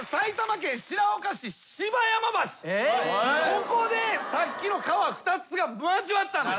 ここでさっきの川２つが交わったんです。